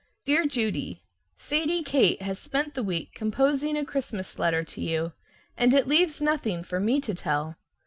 Dear Judy: Sadie Kate has spent the week composing a Christmas letter to you, and it leaves nothing for me to tell.